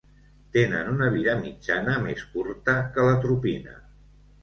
Tenen una vida mitjana més curta que l'atropina.